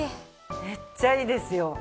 めっちゃいいですよ。